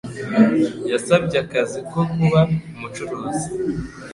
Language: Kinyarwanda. Yasabye akazi ko kuba umucuruzi.